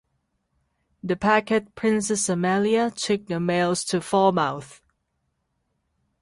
The packet "Princess Amelia" took the mails to Falmouth.